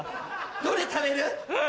どれ食べる？